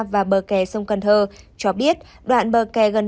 và bờ kè sông cần thơ cho biết đoạn bờ kè gần nơi xảy ra vụ đuối nước